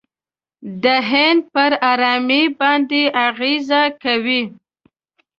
د هند پر آرامۍ باندې اغېزه کوي.